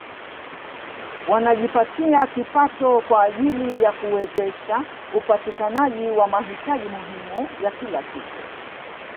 Wanajipatia kipato kwa ajili ya kuwezesha upatikanaji wa mahitaji muhimu ya kila siku